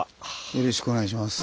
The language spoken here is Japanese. よろしくお願いします。